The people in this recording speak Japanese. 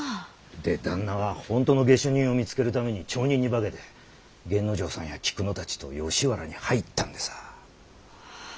で旦那は本当の下手人を見つけるために町人に化けて源之丞さんや菊野たちと吉原に入ったんでさあ。